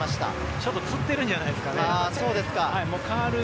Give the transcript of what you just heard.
ちょっと、つっているんじゃないですか？